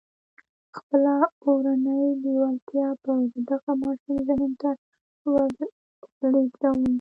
خپله اورنۍ لېوالتیا به د دغه ماشوم ذهن ته ولېږدوم.